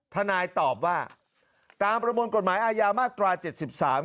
ทนายตอบว่าตามประมวลกฎหมายอาญามาตราเจ็ดสิบสาม